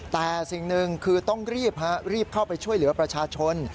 แต่สิ่งหนึ่งคือต้องรีบรีบเข้าไปช่วยเหลือประชาชน